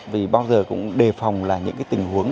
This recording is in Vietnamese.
vì bao giờ cũng đề phòng là những cái tình huống